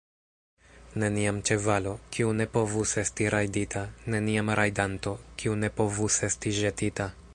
Neniam ĉevalo, kiu ne povus esti rajdita; neniam rajdanto, kiu ne povus esti ĵetita.